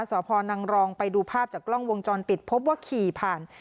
สพนังรองไปดูภาพจากกล้องวงจรปิดพบว่าขี่ผ่าน